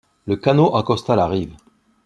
Le canot accosta la rive